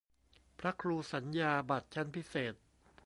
พระครูสัญญาบัตรชั้นพิเศษ